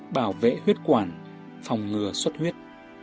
bảo vệ huyết quản phòng ngừa suất huyết